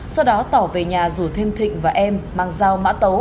sau đó tỏ về nhà rủ thêm thịnh và em mang dao mã tấu